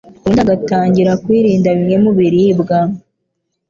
ubundi agatangira kwirinda bimwe mu biribwa